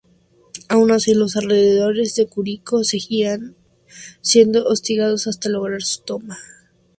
Aun así los alrededores de Curicó seguirán siendo hostigados hasta lograr su toma.